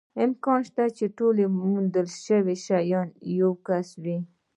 امکان نشته، چې ټول موندل شوي شیان د یوه کس وي.